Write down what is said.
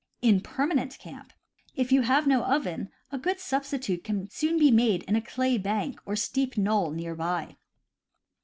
In permanent camp, if you have no oven, a good substitute can soon be made in a clay bank or steep knoll near by.